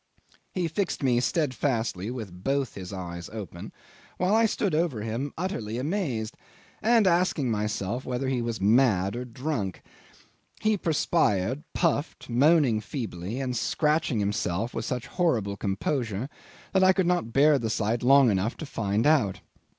He fixed me steadfastly with both his eyes open, while I stood over him utterly amazed, and asking myself whether he was mad or drunk. He perspired, puffed, moaning feebly, and scratching himself with such horrible composure that I could not bear the sight long enough to find out.